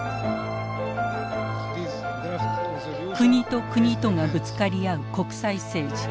国と国とがぶつかり合う国際政治。